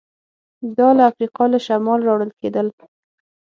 دا له افریقا له شماله راوړل کېدل